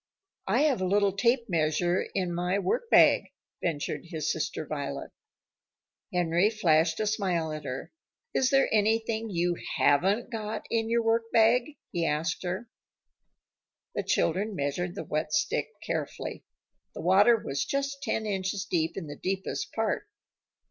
"I have a little tape measure in my workbag," ventured his sister Violet. Henry flashed a smile at her. "Is there anything you haven't got in your workbag?" he asked her. The children measured the wet stick carefully. The water was just ten inches deep in the deepest part.